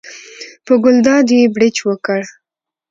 په ګلداد یې بړچ وکړ.